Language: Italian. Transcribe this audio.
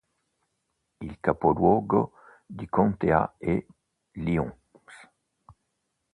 Il capoluogo di contea è Lyons